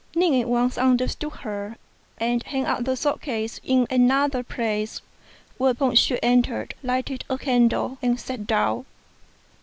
Ning at once understood her, and hung up the sword case in another place; whereupon she entered, lighted a candle, and sat down.